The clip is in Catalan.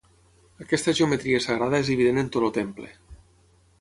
Aquesta geometria sagrada és evident en tot el temple.